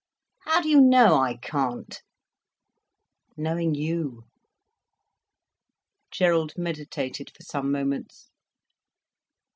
"How do you know I can't?" "Knowing you." Gerald meditated for some moments.